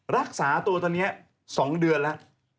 รักษาตัวตอนนี้๒เดือนแล้ว